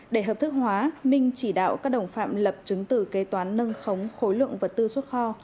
để hợp thức hóa minh chỉ đạo các đồng phạm lập chứng tử kế toán nâng khống khối lượng vật tư xuất kho